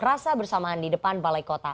rasa bersamaan di depan balai kota